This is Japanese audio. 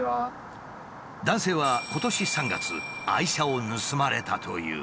男性は今年３月愛車を盗まれたという。